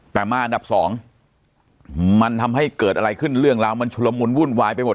แต่มาอันดับสองมันทำให้เกิดอะไรขึ้นเรื่องราวมันชุลมุนวุ่นวายไปหมด